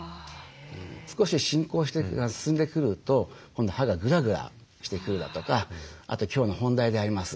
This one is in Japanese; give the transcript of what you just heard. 少し進行して進んでくると今度歯がグラグラしてくるだとかあと今日の本題であります